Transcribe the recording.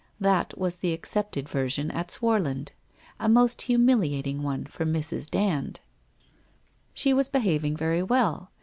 That was the accepted version at Swarland — a most humiliating one for Mrs. Dand. She was behaving very well.